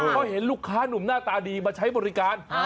เพราะเห็นลูกค้านุ่มหน้าตาดีมาใช้บริการ